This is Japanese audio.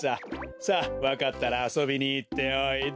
さあわかったらあそびにいっておいで。